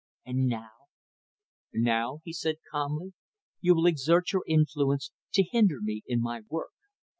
And now " "Now," he said calmly, "you will exert your influence to hinder me in my work.